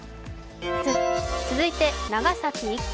続いて長崎１区。